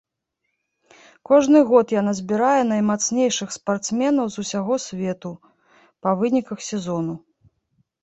Кожны год яна збірае наймацнейшых спартсменаў з усяго свету па выніках сезону.